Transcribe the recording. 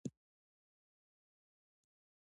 آس په ډېر وقار سره د باندې ودرېد.